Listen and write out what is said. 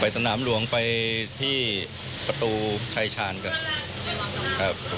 ไปสนามรวงไปที่ประตูชายฉานครับ